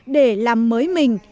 để làm mới mình